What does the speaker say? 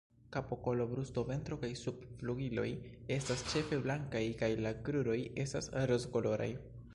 Kapo, kolo, brusto, ventro kaj subflugiloj estas ĉefe blankaj kaj la kruroj estas rozkoloraj.